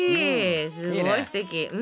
すごいすてき。